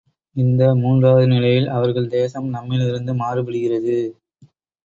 இந்த மூன்றாவது நிலையில் அவர்கள் தேசம் நம்மிலிருந்து மாறுபடுகிறது.